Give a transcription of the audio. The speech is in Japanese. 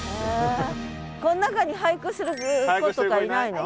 この中に俳句する子とかいないの？